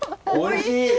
おいしい！